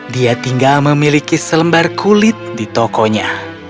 dia tinggal memiliki selembar kulit di tokonya